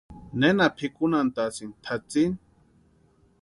¿Nena pʼikunhantʼasïni tʼatsïni?